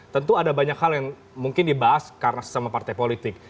tentu ada banyak hal yang mungkin dibahas karena sesama partai politik